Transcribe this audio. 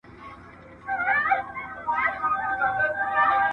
نوي کارونه مو د ژوند تجربه زیاتوي.